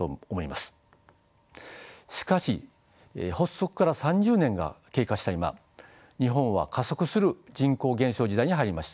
しかし発足から３０年が経過した今日本は加速する人口減少時代に入りました。